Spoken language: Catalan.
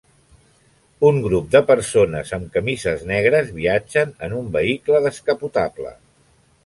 Un grup de persones amb camises negres viatgen en un vehicle descapotable